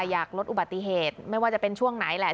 อยากลดอุบัติเหตุไม่ว่าจะเป็นช่วงไหนแหละ